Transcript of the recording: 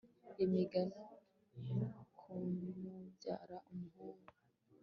imigano kumubyara umuhungu